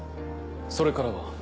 それからは？